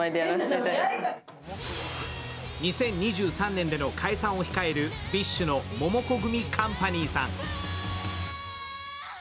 ２０２３年での解散を控えるＢｉＳＨのモモコグミカンパニーさん。